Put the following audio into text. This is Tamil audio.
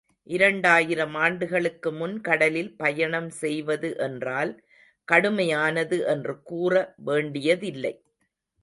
இரண்டாயிரம் ஆண்டுகளுக்கு முன் கடலில் பயணம் செய்வது என்றால் கடுமையானது என்று கூற வேண்டியதில்லை.